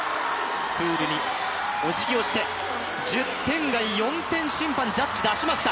プールにおじぎをして１０点台４点審判、ジャッジを出しました。